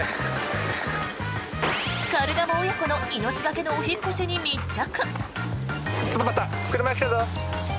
カルガモ親子の命懸けのお引っ越しに密着。